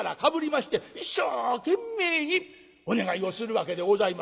まして一生懸命にお願いをするわけでございます。